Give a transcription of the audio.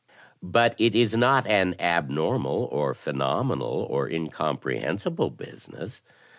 But it is not an abnormal or phenomenal or incomprehensible business.